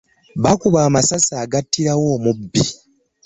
Baakuba amasasi agattirawo omubbi.